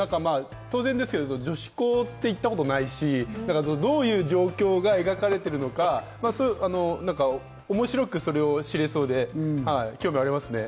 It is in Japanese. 当然、女子校って行ったことないし、どういう状況が描かれているのか、面白くそれを知れそうで、興味ありますよね。